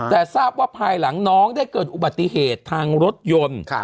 แต่ทราบว่าภายหลังน้องได้เกิดอุบัติเหตุทางรถยนต์